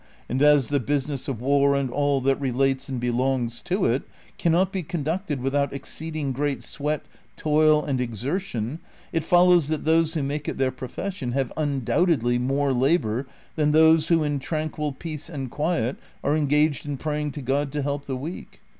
And as the business of war and all that relates and belongs to it cannot be conducted without^ exceeding great sweat, toil, and exertion, it follows that those who make it their profession have undoubtedly more labor than those who in tranquil peace and quiet are engaged in pray ing to God to help the weak.